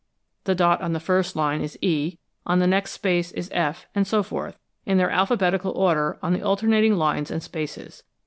The dot on the first line is E; on the next space is F, and so forth, in their alphabetical order on the alternating lines and spaces.